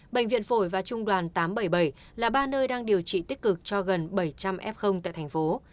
bệnh viện phổi và trung đoàn tám trăm bảy mươi bảy là ba nơi đang điều trị tích cực cho gần bảy trăm linh f tại thành phố